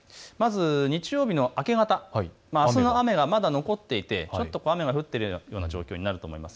日曜日の明け方、あすの雨がまだ残っていてちょっと雨が降っているような状況になると思います。